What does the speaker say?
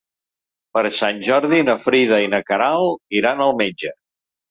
Per Sant Jordi na Frida i na Queralt iran al metge.